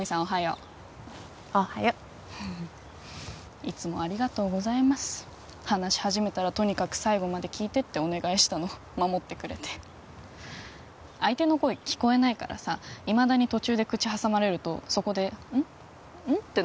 おはようおはよういつもありがとうございます話し始めたらとにかく最後まで聞いてってお願いしたの守ってくれて相手の声聞こえないからさいまだに途中で口挟まれるとそこでうん？